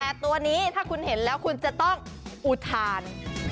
แต่ตัวนี้ถ้าคุณเห็นแล้วคุณจะต้องอุทาน